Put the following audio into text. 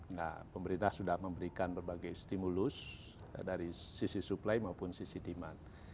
nah pemerintah sudah memberikan berbagai stimulus dari sisi suplai maupun sisi demand